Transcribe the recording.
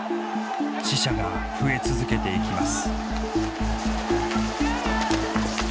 死者が増え続けていきます。